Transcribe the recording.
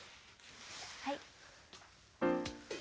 はい。